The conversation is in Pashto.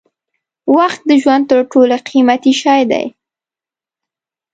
وخت د ژوند تر ټولو قیمتي شی دی.